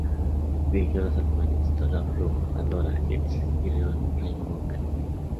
Dirigió los animes To Love Ru, Pandora Hearts y Rio Rainbow Gate!.